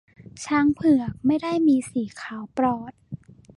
ช้างเผือก ไม่ได้มีสีขาวปลอด